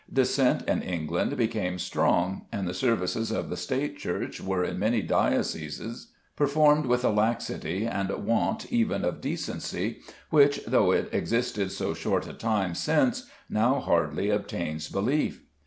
Dissent in England became strong, and the services of the State Church were in many dioceses performed with a laxity and want even of decency which, though it existed so short a time since, now hardly obtains belief.